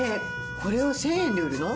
これを１０００円で売るの？